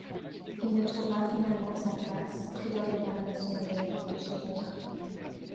Il ne trouvera finalement sa place que dans les dernières semaines de son contrat.